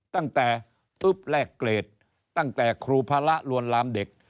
ตั้งแต่ตุ๊บแลกเกรดตั้งแต่ครูพระลวนลามเด็ก